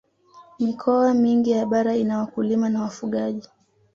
mikoa mingi ya bara ina wakulima na wafugaji